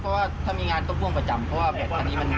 พ่อคงเอาก้อนอิดไปถ่วงไว้ตรงคันเร่งจั๊มแบบนี้